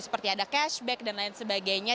seperti ada cashback dan lain sebagainya